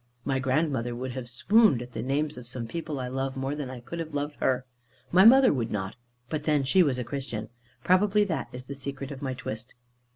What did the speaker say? My grandmother would have swooned at the names of some people I love more than I could have loved her. My mother would not. But then she was a Christian. Probably that is the secret of my twist.